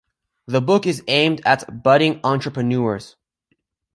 The book is aimed at budding entrepreneurs.